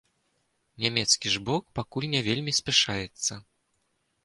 Нямецкі ж бок пакуль не вельмі спяшаецца.